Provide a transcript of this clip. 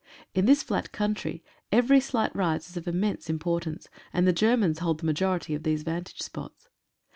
In this flat country every slight rise is of immense import ance, and the Germans hold the majority of these van tage spots.